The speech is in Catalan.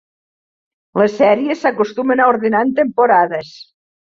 Les sèries s'acostumen a ordenar en temporades.